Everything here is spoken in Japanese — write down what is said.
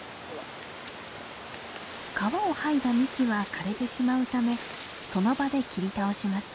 皮を剥いだ幹は枯れてしまうためその場で切り倒します。